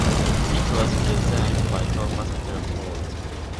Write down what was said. It was designed by Thomas Telford.